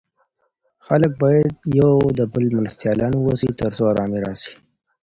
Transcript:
خلګ بايد يو د بل مرستيالان واوسي تر څو ارامي راسي.